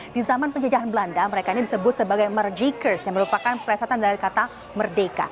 di zaman penjajahan belanda mereka ini disebut sebagai margikers yang merupakan presatan dari kata merdeka